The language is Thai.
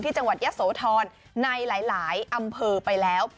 จังหวัดยะโสธรในหลายอำเภอไปแล้ว